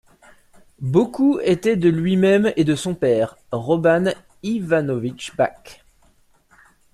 Beaucoup étaient de lui-même et de son père, Robert Ivanovich Bach.